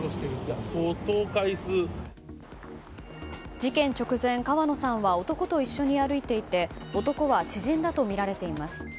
事件直前、川野さんは男と一緒に歩いていて男は知人だとみられています。